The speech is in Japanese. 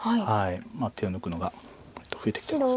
手を抜くのが割と増えてきてます。